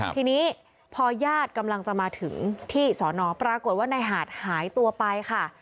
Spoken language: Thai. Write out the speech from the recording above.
ทีนี้พอญาติกำลังจะมาถึงที่สอนอปรากฏว่านายหาดหายตัวไปค่ะ